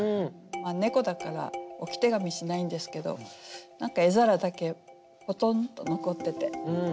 猫だから置手紙しないんですけど何か餌皿だけぽとんとのこってて。